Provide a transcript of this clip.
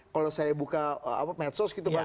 kalau saya buka medsos gitu mas